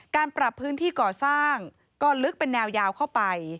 การปรับพื้นที่ก่อสร้างก็ลึกเป็นแนวยาวเข้าไป